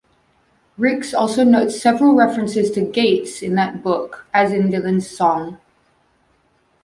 Ricks also notes several references to "gates" in that Book, as in Dylan's song.